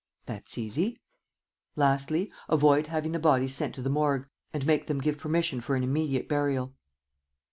"That's easy." "Lastly, avoid having the body sent to the Morgue and make them give permission for an immediate burial."